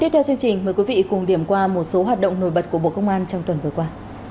tiếp theo chương trình mời quý vị cùng điểm qua một số hoạt động nổi bật của bộ công an trong tuần vừa qua